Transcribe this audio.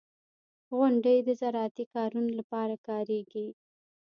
• غونډۍ د زراعتي کارونو لپاره کارېږي.